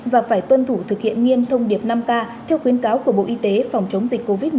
và phải tuân thủ thực hiện nghiêm thông điệp năm k theo khuyến cáo của bộ y tế phòng chống dịch covid một mươi chín